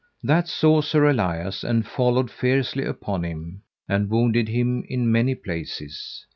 That saw Sir Elias, and followed fiercely upon him, and wounded him in many places.